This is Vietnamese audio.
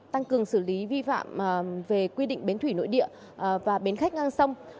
tăng cường xử lý vi phạm về quy định bến thủy nội địa và bến khách ngang sông